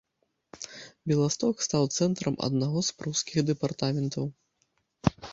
Беласток стаў цэнтрам аднаго з прускіх дэпартаментаў.